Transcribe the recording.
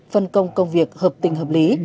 phân công công việc hợp tình hợp lý